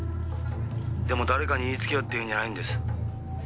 「でも誰かに言いつけようっていうんじゃないんです」